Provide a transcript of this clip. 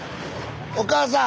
お母さん！